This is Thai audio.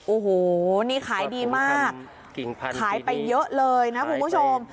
โอ้โหนี่ขายดีมากขายไปเยอะเลยนะคุณผู้ชม